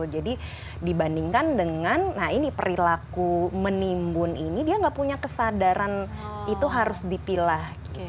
jadi dibandingkan dengan nah ini perilaku menimbun ini dia gak punya kesadaran itu harus dipilah